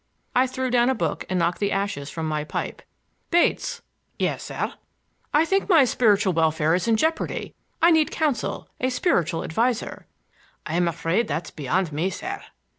I threw down a book and knocked the ashes from my pipe. "Bates!" "Yes, sir." "I think my spiritual welfare is in jeopardy. I need counsel,—a spiritual adviser." "I'm afraid that's beyond me, sir."